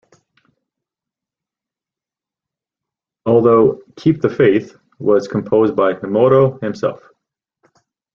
Although "Keep the Faith" was composed by Himuro himself.